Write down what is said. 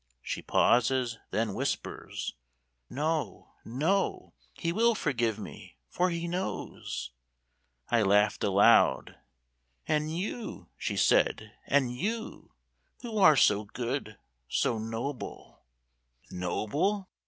She pauses: then whispers: "No, no, He will forgive me, for He knows!" I laughed aloud: "And you," she said, "and you, Who are so good, so noble" ... "Noble?